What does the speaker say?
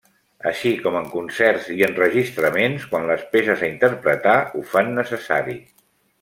Així com en concerts i enregistraments quan les peces a interpretar ho fan necessari.